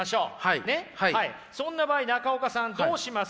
そんな場合中岡さんどうします？